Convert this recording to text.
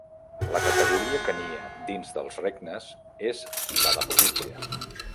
La categoria que nia dins dels Regnes és la de província.